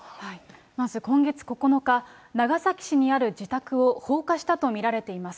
まず今月９日、長崎市にある自宅を放火したと見られています。